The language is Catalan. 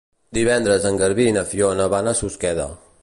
Divendres en Garbí i na Fiona van a Susqueda.